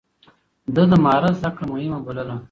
ده د مهارت زده کړه مهمه بلله.